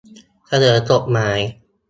เสนอกฎหมาย